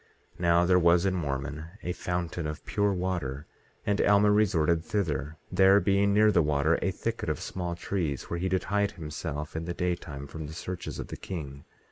18:5 Now, there was in Mormon a fountain of pure water, and Alma resorted thither, there being near the water a thicket of small trees, where he did hide himself in the daytime from the searches of the king.